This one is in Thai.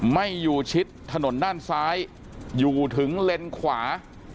ไม่อยู่ชิดถนนด้านซ้ายอยู่ถึงเลนขวา